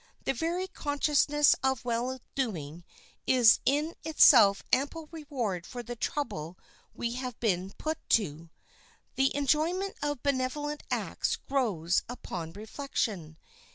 The very consciousness of well doing is in itself ample reward for the trouble we have been put to. The enjoyment of benevolent acts grows upon reflection.